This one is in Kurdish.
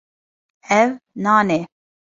Ev nan e.